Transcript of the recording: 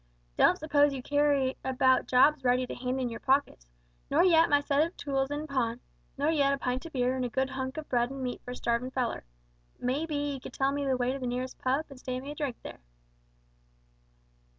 Don't suppose ye carry about jobs ready to hand in yer pockets, nor yet my set of tools in pawn, nor yet a pint o' beer and a good hunk of bread and meat for a starvin' feller! May be ye could tell me the way to the nearest pub, and stand me a drink there!"